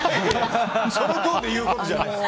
そのトーンで言うことじゃない。